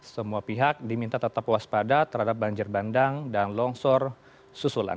semua pihak diminta tetap waspada terhadap banjir bandang dan longsor susulan